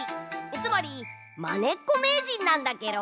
つまりまねっこめいじんなんだケロ。